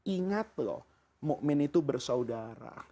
ingat loh mu'min itu bersaudara